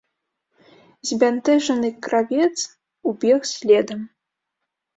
Збянтэжаны кравец убег следам.